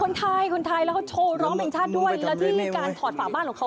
คนไทยคนไทยแล้วเขาโชว์ร้องเพลงชาติด้วยแล้วที่การถอดฝาบ้านของเขา